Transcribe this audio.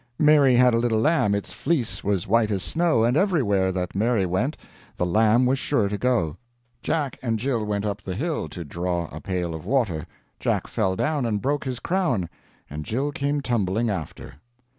"Mary had a little lamb, its fleece was white as snow And everywhere that Mary went, the lamb was sure to go." "Jack and Gill went up the hill To draw a pail of water; Jack fell down and broke his crown, And Gill came tumbling after."